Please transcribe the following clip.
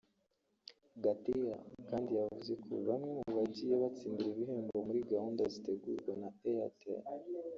Gatera kandi yavuze ko bamwe mu bagiye batsindira ibihembo muri gahunda zitegurwa na Airtel